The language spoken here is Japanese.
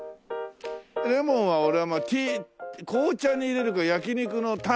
レモンは俺はまあ紅茶に入れるか焼き肉のタンだな。